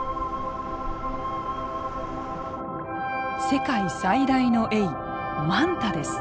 世界最大のエイマンタです。